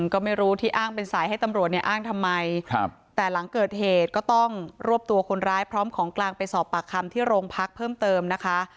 ก็ไม่รู้ที่อ้างเป็นสายให้ตำรวจเนี่ยอ้างทำไมแต่หลังเกิดเหตุก็ต้องรวบตัวคนร้ายพร้อมของกลางไปสอบปากคำที่โรงพักเพิ่มเติมนะคะ